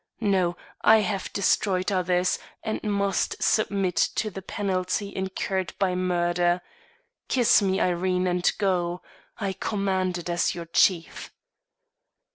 No; I have destroyed others, and must submit to the penalty incurred by murder. Kiss me, Irene, and go. I command it as your chief."